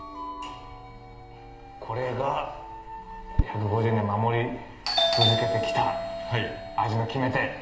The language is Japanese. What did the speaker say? これが１５０年守り続けてきた味の決め手。